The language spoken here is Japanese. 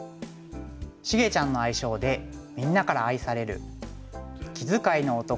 しげちゃんの愛称でみんなから愛される「気遣いの男」